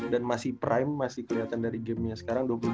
dan masih prime masih keliatan dari game nya sekarang